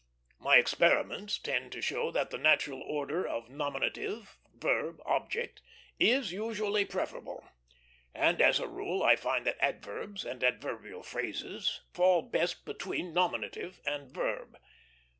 My experiments tend to show that the natural order of nominative, verb, object, is usually preferable; and as a rule I find that adverbs and adverbial phrases fall best between nominative and verb.